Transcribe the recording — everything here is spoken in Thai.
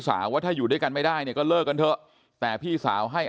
ว่าถ้าอยู่ด้วยกันไม่ได้เนี่ยก็เลิกกันเถอะแต่พี่สาวให้